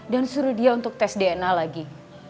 dan suruh dia untuk tes dna lagi